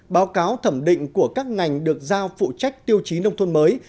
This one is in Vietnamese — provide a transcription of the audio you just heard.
báo cáo thẩm định của các ngành được giao phụ trách tiêu chí nông thôn mới